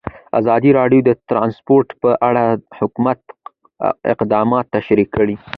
ازادي راډیو د ترانسپورټ په اړه د حکومت اقدامات تشریح کړي.